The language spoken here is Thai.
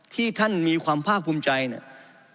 ที่ท่านมีความภาคภูมิใจเนี่ย